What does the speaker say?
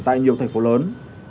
tại nhiều thành phố lớn